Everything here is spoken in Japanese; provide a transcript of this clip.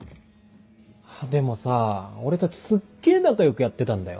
でもさ俺たちすっげぇ仲良くやってたんだよ？